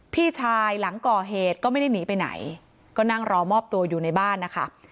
พี่ชายหลังก่อเหตุก็ไม่ได้หนีไปไหนก็นั่งรอมอบตัวอยู่ในบ้านนะคะ